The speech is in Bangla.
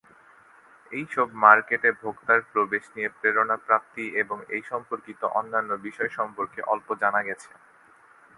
এইসব মার্কেটে ভোক্তার প্রবেশ নিয়ে প্রেরণা প্রাপ্তি এবং এ সম্পর্কিত অন্যান্য বিষয় সম্পর্কে অল্প জানা গেছে।